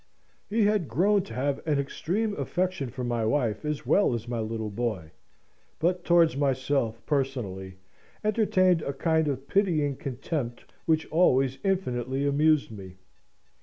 He had grown to have an extreme affection for my wife as well as my little boy; but towards myself, personally, entertained a kind of pitying contempt which always infinitely amused me.